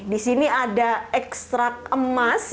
disini ada ekstrak emas